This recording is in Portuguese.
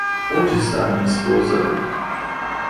Onde está minha esposa?